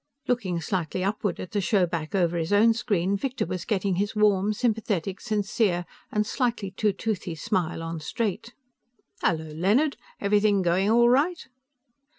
Looking slightly upward at the showback over his own screen, Victor was getting his warm, sympathetic, sincere and slightly too toothy smile on straight. "Hello, Leonard. Everything going all right?"